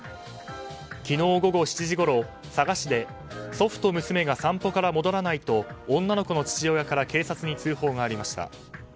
昨日午後７時ごろ、佐賀市で祖父と娘が散歩から戻らないと女の子の父親から警察に通報がありました。